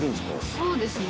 そうですね。